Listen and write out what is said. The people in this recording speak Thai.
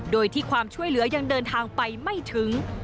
โดยที่ความช่วยเหลือยังเดินทางไปไม่ถึง